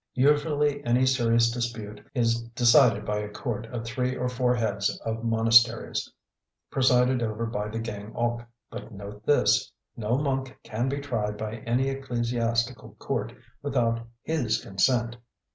Usually any serious dispute is decided by a court of three or four heads of monasteries, presided over by the Gaing ok. But note this: no monk can be tried by any ecclesiastical court without his consent.